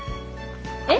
えっ？